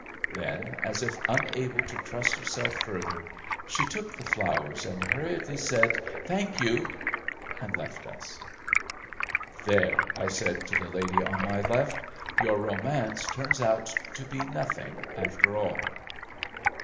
Then, as if unable to trust herself further, she took the flowers and hurriedly said, "Thank you," and left us. "There," I said to the lady on my left, "your romance turns out to be nothing after all."